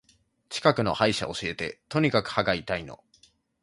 近くの歯医者教えて。とにかく歯が痛いの。